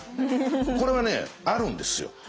これはねあるんですよ。